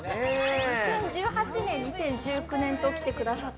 ２０１８年、２０１９年と来てくださって。